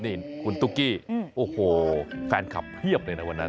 นี่คุณตุ๊กกี้โอ้โหแฟนคลับเพียบเลยนะวันนั้น